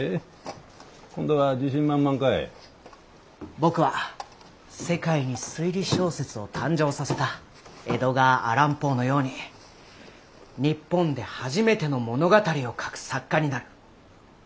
僕は世界に推理小説を誕生させたエドガー・アラン・ポーのように日本で初めての物語を書く作家になる。